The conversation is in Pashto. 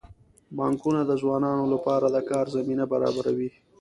بانکونه د ځوانانو لپاره د کار زمینه برابروي.